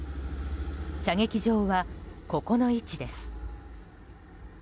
射撃場は、ここの位置です。